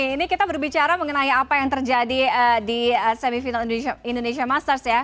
ini kita berbicara mengenai apa yang terjadi di semifinal indonesia masters ya